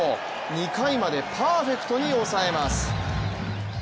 ２回までパーフェクトに抑えます。